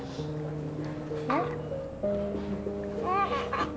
anak cuma ada di dalam